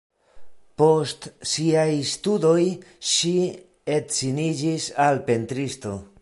Post siaj studoj ŝi edziniĝis al pentristo.